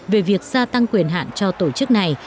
về việc gia tăng quyền hạn cho tổ chức này